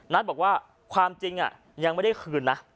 บอกว่าความจริงยังไม่ได้คืนนะ